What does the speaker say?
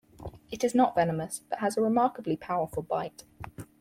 It is not venomous, but has a remarkably powerful bite.